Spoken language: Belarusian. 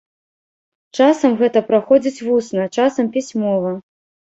Часам гэта праходзіць вусна, часам пісьмова.